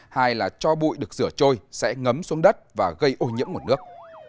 hai là cho bụi được rửa trôi sẽ ngấm xuống đất và gây ô nhiễm nguồn nước